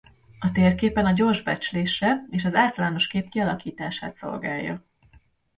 A térképen a gyors becslésre és az általános kép kialakítását szolgálja.